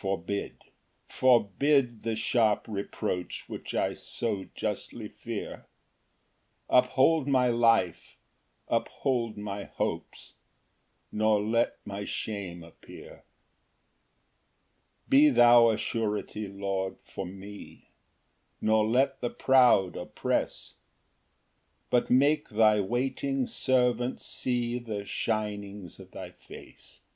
Ver. 39 116. 1 Forbid, forbid the sharp reproach Which I so justly fear; Uphold my life, uphold my hopes, Nor let my shame appear. Ver. 122 135. 3 Be thou a surety, Lord, for me, Nor let the proud oppress; But make thy waiting servant see The shinings of thy face. Ver.